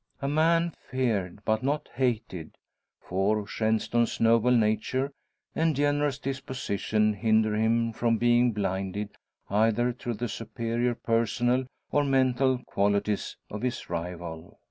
A man feared but not hated for Shenstone's noble nature and generous disposition hinder him from being blinded either to the superior personal or mental qualities of his rival.